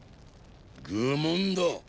愚問だ。